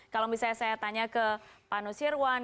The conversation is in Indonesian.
kalau misalnya saya tanya ke pak nusirwan